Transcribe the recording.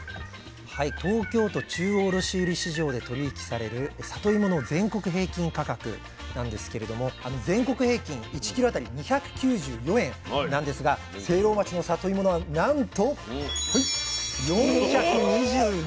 東京都中央卸売市場で取り引きされるさといもの全国平均価格なんですけれども全国平均１キロ当たり２９４円なんですが聖籠町のさといもはなんと４２７円ということで。